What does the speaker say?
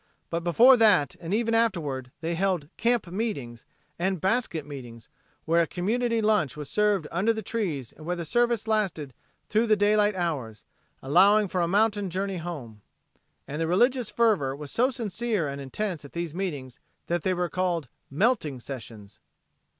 But before that and even afterward they held "camp meetings" and "basket meetings" where a community lunch was served under the trees and where the service lasted through the daylight hours, allowing for a mountain journey home. And the religious fervor was so sincere and intense at these meetings that they were called "melting sessions."